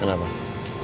gak ada apa apa